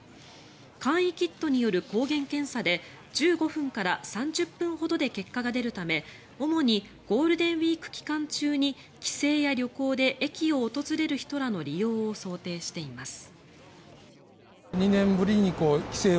簡易キットによる抗原検査で１５分から３０分ほどで結果が出るため主にゴールデンウィーク期間中に帰省や旅行で駅を訪れる人らの利用を想定しています。